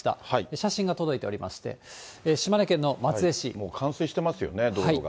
写真が届いておりまして、もう冠水してますよね、道路が。